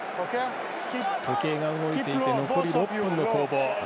時計が動いていて残り６分の攻防。